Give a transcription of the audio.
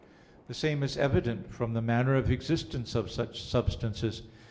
The same is evident from the manner of existence of such substances.